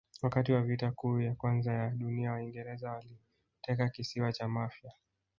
wakati wa vita kuu ya kwanza ya dunia waingereza waliteka kisiwa cha mafia